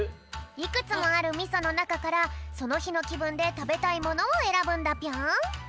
いくつもあるみそのなかからそのひのきぶんでたべたいものをえらぶんだぴょん。